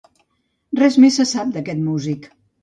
Res més se sap d'aquest músic.